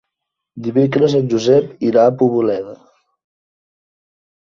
Dimecres en Josep irà a Poboleda.